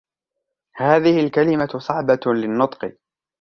هذه الكلمة صعبة للنطق.